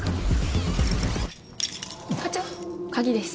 課長鍵です。